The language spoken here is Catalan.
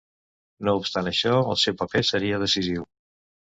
No obstant això, el seu paper seria decisiu.